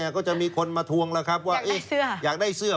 ก็จะมีคนมาทวงแล้วครับว่าอยากได้เสื้อ